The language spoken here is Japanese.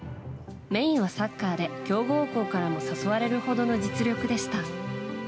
メインはサッカーで強豪校からも誘われるほどの実力でした。